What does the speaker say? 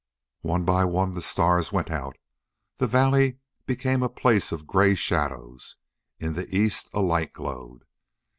One by one the stars went out. The valley became a place of gray shadows. In the east a light glowed.